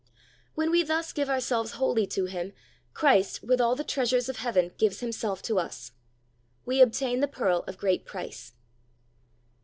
When we thus give ourselves wholly to Him, Christ, with all the treasures of heaven, gives Himself to us. We obtain the pearl of great price.